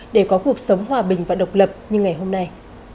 để có cuộc sống hòa bình và độc lập như ngày hôm nay